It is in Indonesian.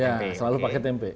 iya selalu pakai tempe